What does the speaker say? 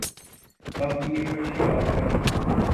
تاخیر کا شکار ہے۔